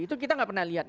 itu kita tidak pernah lihat